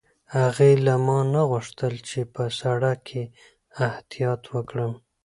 هغې له ما نه وغوښتل چې په سړک کې احتیاط وکړم.